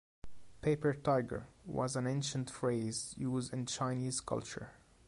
"Paper tiger" was an ancient phrase used in Chinese culture.